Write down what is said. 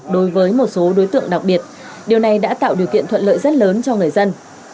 đối với một số đối tượng đặc biệt điều này đã tạo điều kiện thuận lợi rất lớn cho người dân